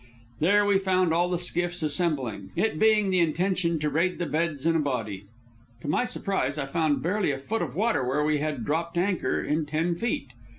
There we found all the skiffs assembling, it being the intention to raid the beds in a body. To my surprise, I found barely a foot of water where we had dropped anchor in ten feet.